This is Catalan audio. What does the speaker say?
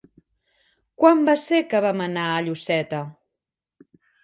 Quan va ser que vam anar a Lloseta?